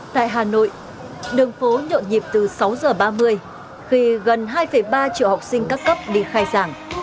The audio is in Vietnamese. tại hà nội đường phố nhộn nhịp từ sáu h ba mươi khi gần hai ba triệu học sinh các cấp đi khai giảng